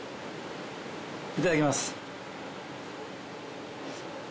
いただきます。